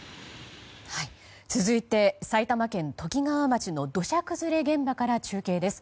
続いて埼玉県ときがわ町の土砂崩れ現場から中継です。